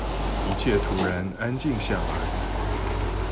一切突然安靜下來